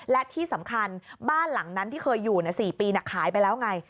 และที่สำคัญบ้านหลังนั้นที่เคยอยู่๔ปีขายไปแล้วไง